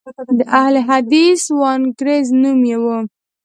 د اهل حدیث وانګریز نوم یې و.